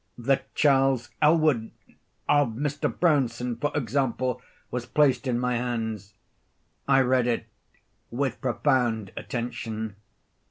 The 'Charles Elwood' of Mr. Brownson, for example, was placed in my hands. I read it with profound attention.